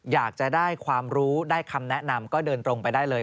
อยากจะได้ความรู้ได้คำแนะนำก็เดินตรงไปได้เลย